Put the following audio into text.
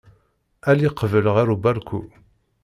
Ali qbel ɣer ubalku.